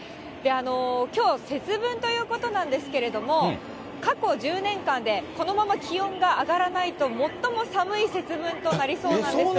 きょう、節分ということなんですけれども、過去１０年間で、このまま気温が上がらないと、そうなんですか？